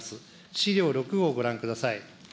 資料６をご覧ください。